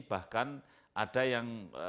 bahkan ada yang